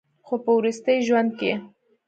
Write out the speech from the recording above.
خو پۀ وروستي ژوند کښې